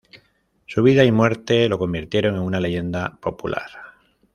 Su vida y muerte lo convirtieron en una leyenda popular.